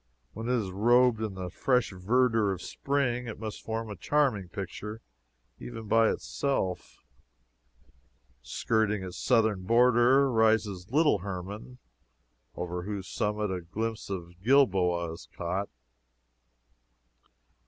When it is robed in the fresh verdure of spring, it must form a charming picture, even by itself. Skirting its southern border rises "Little Hermon," over whose summit a glimpse of Gilboa is caught.